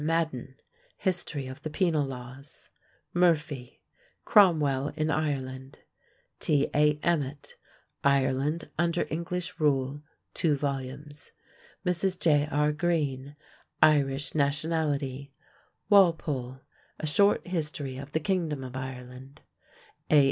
Madden: History of the Penal Laws; Murphy: Cromwell in Ireland; T.A. Emmet: Ireland under English Rule, 2 vols.; Mrs. J.R. Green: Irish Nationality; Walpole: A Short History of the Kingdom of Ireland; A.